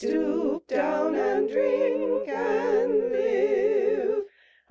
Stoop down, and drink, and live!'